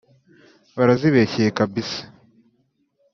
Barazibeshyeye kabisa